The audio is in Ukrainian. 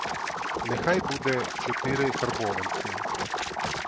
Нехай буде чотири карбованці.